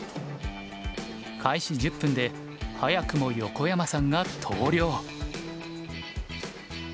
開始１０分で早くも横山さんが投了。